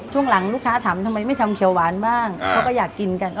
ช่วงหลังลูกค้าถามทำไมไม่ทำเขียวหวานบ้างเขาก็อยากกินกัน